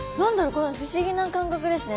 これ不思議な感覚ですね。